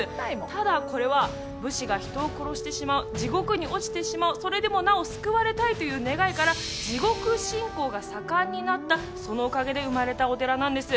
ただこれは武士が人を殺してしまう地獄に落ちてしまうそれでもなお救われたいという願いから地獄信仰が盛んになったそのおかげで生まれたお寺なんです